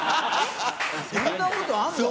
そんなことあんの？